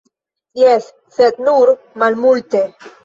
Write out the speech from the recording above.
Jes, sed nur malmulte.